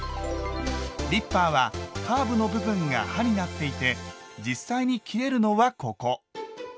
リッパーはカーブの部分が刃になっていて実際に切れるのはココ！